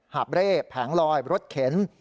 หาบเร่แผงลอยรถเข็น